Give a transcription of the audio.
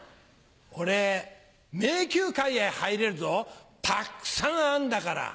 俺名球会へ入れるぞたくさん編んだから。